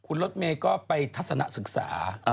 คุณรถเมย์ก็ไปทัศนะศึกษา